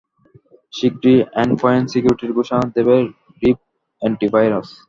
শিগগিরই end point সিকিউরিটির ঘোষণা দেবে রিভ অ্যান্টিভাইরাস।